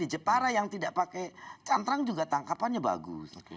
di jepara yang tidak pakai cantrang juga tangkapannya bagus